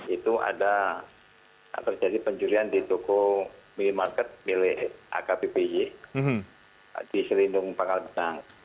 itu ada terjadi pencurian di toko minimarket milik akbpy di selindung pangkal pinang